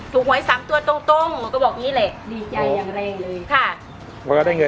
ถูกไว้๓ตัวตรง